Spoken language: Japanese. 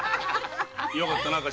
よかったな頭。